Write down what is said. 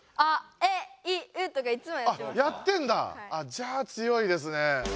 じゃあ強いですね。